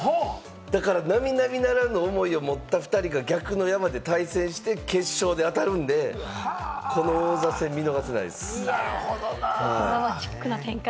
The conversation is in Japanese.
だから並々ならぬ思いを持った２人が逆の山で対戦して、決勝で当たるんで、この王座戦、あっつ。